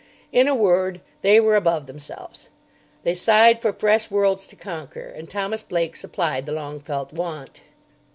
In a word, they were above themselves. They sighed for fresh worlds to conquer. And Thomas Blake supplied the long felt want.